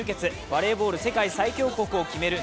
バレーボール世界最強国を決める